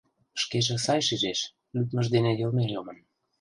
Шкеже сай шижеш: лӱдмыж дене йылме йомын.